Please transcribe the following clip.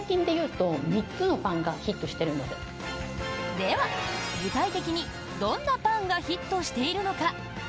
では、具体的にどんなパンがヒットしているのか？